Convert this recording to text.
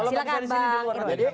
oke silahkan bang deddy